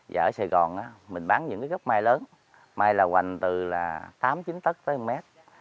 giờ ở sài gòn á mình bán những cái gốc mai lớn mai là hoành từ là tám chín tất tới một mét